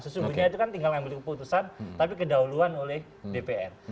sesungguhnya itu kan tinggal ambil keputusan tapi kedahuluan oleh dpr